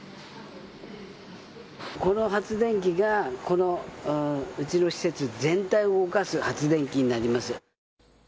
この発電機がこのうちの施設全体を動かす発電機になります。